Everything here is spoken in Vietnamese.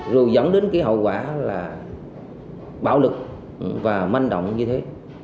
rồi dẫn đến cái hậu quả là bạo lực và manh động như thế